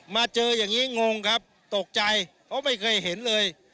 มาเจออย่างนี้งงครับตกใจเพราะไม่เคยเห็นเลย